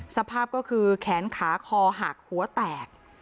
สภาพก็คือแขนขาคอหักหัวแตก